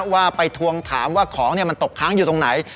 ว่าไปทวงถามว่าของมันตกค้างอยู่ตรงไหน